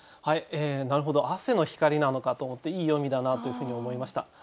なるほど汗の光なのかと思っていい読みだなというふうに思いました。